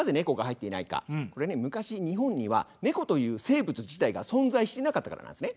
これね昔日本にはネコという生物自体が存在してなかったからなんですね。